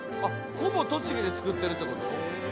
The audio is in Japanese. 「ほぼ栃木で作ってるって事？」